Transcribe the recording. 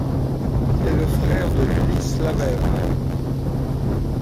Il est le frère de Vili Slavev.